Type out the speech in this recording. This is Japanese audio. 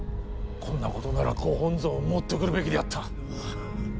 こんなことならご本尊を持ってくるべきであった。